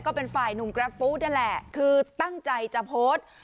ก็เป็นฝ่ายหนุ่มกราฟฟู้ดนั่นแหละคือตั้งใจจะโพสต์